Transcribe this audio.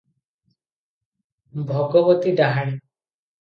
ଭଗବତୀ ଡାହାଣୀ?